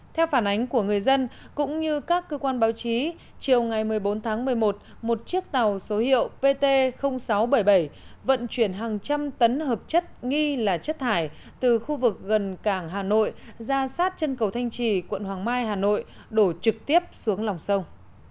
theo phản ánh của người dân cũng như các cơ quan báo chí chiều ngày một mươi bốn tháng một mươi một một chiếc tàu số hiệu pt sáu trăm bảy mươi bảy vận chuyển hàng trăm tấn hợp chất nghi là chất thải từ khu vực gần cảng hà nội ra sát chân cầu thanh trì quận hoàng mai hà nội đổ trực tiếp xuống lòng sông